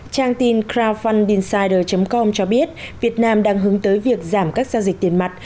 trang tin crowdfundinsider com cho biết việt nam đang hướng tới việc giảm các giao dịch tiền mặt